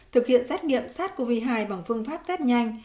thực hiện xét nghiệm sars cov hai bằng phương pháp test nhanh